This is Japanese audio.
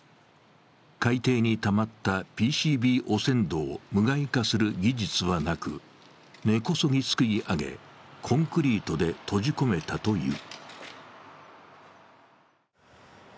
海底にたまったＰＣＢ汚染土を無害化する技術はなく、根こそぎすくい上げ、コンクリートで閉じ込めたという。